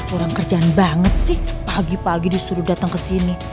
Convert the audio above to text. orang kerjaan banget sih pagi pagi disuruh datang kesini